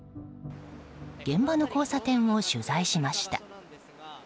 現場の交差点を取材しました。